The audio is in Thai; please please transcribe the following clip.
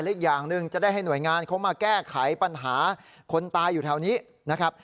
อีกอย่างหนึ่งจะได้ให้หน่วยงานเขามาแก้ไขปัญหาคนตายอยู่แถวนี้นะครับ